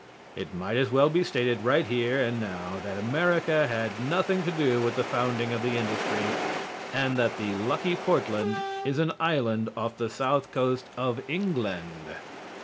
it might as well be stated right here and now that America had nothing to do with the founding of the industry, and that the lucky Portland is an island off the south coast of England.